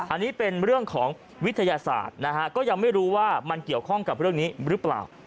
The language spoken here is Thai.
อันนี้เป็นเรื่องของวิทยาศาสตร์นะฮะก็ยังไม่รู้ว่ามันเกี่ยวข้องกับเรื่องนี้หรือเปล่า